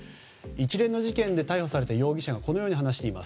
一連の事件で逮捕された容疑者はこのように話しています。